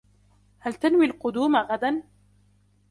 هل تنوي القدوم غدًا ؟